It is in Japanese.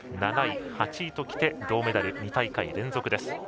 ７位、８位ときて銅メダル２大会連続です。